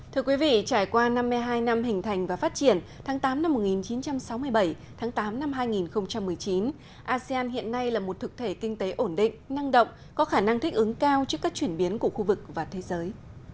thưa quý vị trải qua năm mươi hai năm hình thành và phát triển tháng tám năm một nghìn chín trăm sáu mươi bảy tháng tám năm hai nghìn một mươi chín asean hiện nay là một thực thể kinh tế ổn định năng động có khả năng thích ứng cao trước các chuyển biến của khu vực và thế giới